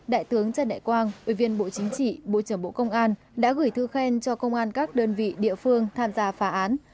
đại tướng trần đại quang ủy viên bộ chính trị bộ trưởng bộ công an đã gửi thư khen cho công an các đơn vị địa phương tham gia phá án